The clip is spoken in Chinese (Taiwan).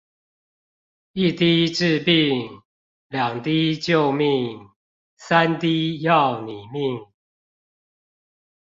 一滴治病，兩滴救命，三滴要你命